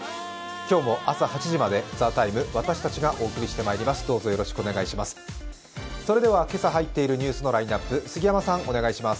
今日も朝８時まで「ＴＨＥＴＩＭＥ，」私たちがお伝えしていきます。